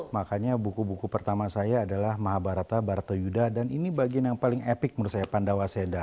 makanya buku buku pertama saya adalah mahabharata baratoyuda dan ini bagian yang paling epic menurut saya pandawa seda